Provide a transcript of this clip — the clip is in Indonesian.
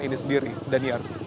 ini sendiri daniar